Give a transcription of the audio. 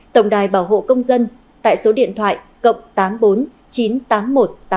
tổng đài bảo hộ công dân tại số điện thoại cộng tám mươi bốn chín trăm tám mươi một tám trăm bốn mươi tám nghìn bốn trăm tám mươi bốn